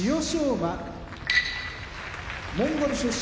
玉鷲モンゴル出身